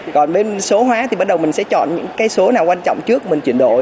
còn bên số hóa thì bắt đầu mình sẽ chọn những cây số nào quan trọng trước mình chuyển đổi